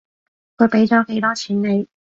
佢畀咗幾多錢你？